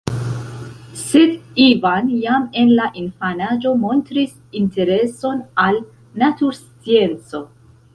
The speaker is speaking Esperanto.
Sed Ivan jam en la infanaĝo montris intereson al naturscienco.